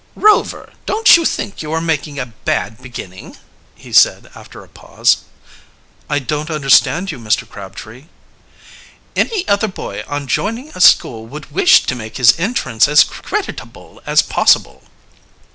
"Rover, don't you think, you are making a bad beginning?" he said after a pause. "I don't understand you, Mr. Crabtree." "Any other boy on joining a school would wish to make his entrance as creditable as possible."